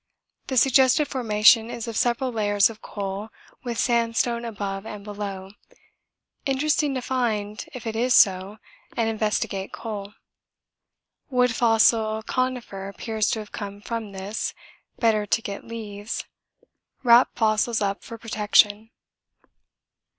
The suggested formation is of several layers of coal with sandstone above and below; interesting to find if it is so and investigate coal. Wood fossil conifer appears to have come from this better to get leaves wrap fossils up for protection.